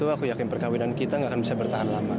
aku mau bincangin kan sama tamu